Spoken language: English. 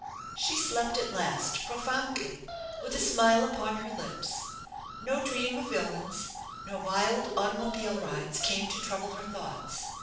She slept at last, profoundly, with a smile upon her lips No dream of villains nor wild automobile rides came to trouble her thoughts.